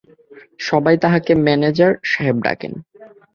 সবাই তাঁকে ম্যানেজার সাহেব ডাকেন।